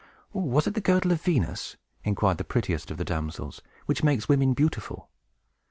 "Was it the girdle of Venus," inquired the prettiest of the damsels, "which makes women beautiful?"